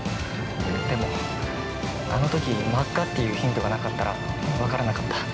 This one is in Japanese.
でもあのとき真っ赤っていうヒントがなかったら分からなかった。